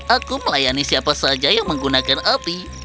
aku melayani siapa saja yang menggunakan api